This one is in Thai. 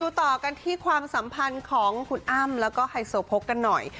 ต่อกันที่ความสัมพันธ์ของคุณอ้ำแล้วก็ไฮโซโพกกันหน่อย